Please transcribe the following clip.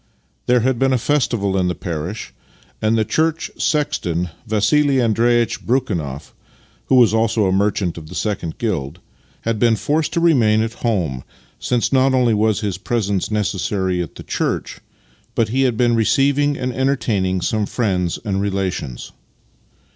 There had been a festival in the parish, and the church sexton, Vassili Andreitch Brekhunoff, (who was also a merchant of the second guild), had been forced to remain at home, since not only was his presence necessary at the church, but he had been receiving and entertaining some of his friends and relations.